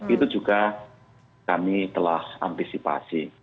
itu juga kami telah antisipasi